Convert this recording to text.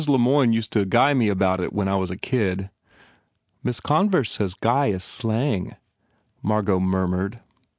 Le Moyne used to guy me about it when I was a kid." "Miss Converse says guy is slang," Margot murmured.